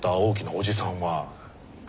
おじさん。